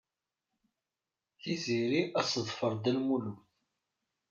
Tiziri ad teḍfer Dda Lmulud.